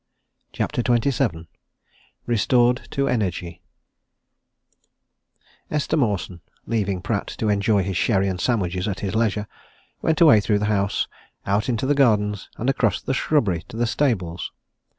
CHAPTER XXVII RESTORED TO ENERGY Esther Mawson, leaving Pratt to enjoy his sherry and sandwiches at his leisure, went away through the house, out into the gardens, and across the shrubbery to the stables.